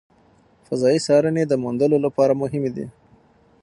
فضایي څارنې د موندلو لپاره مهمې دي.